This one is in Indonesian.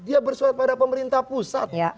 dia bersuat pada pemerintah pusat